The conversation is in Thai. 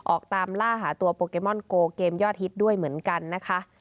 ออกตามล่าหาตัวโปเกมอนโกเกมยอดฮิตด้วยเหมือนกันนะคะ